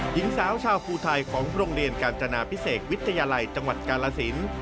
หญิงสาวชาวภูไทยของโรงเรียนกาญจนาพิเศษวิทยาลัยจังหวัดกาลสิน